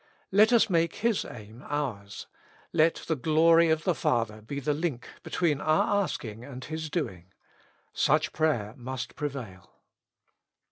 Let us make His aim ours : let the glory of the Father be the link between our asking and His doing : such prayer must prevail.